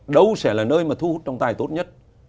đâu sẽ là nơi mà thu hút trọng tài tốt nhất